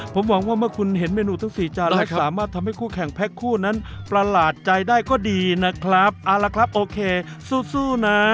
ผมหวังว่าเมื่อคุณเห็นเมนูทั้งสี่จานแล้วสามารถทำให้คู่แข่งแพ็คคู่นั้นประหลาดใจได้ก็ดีนะครับเอาละครับโอเคสู้สู้นะ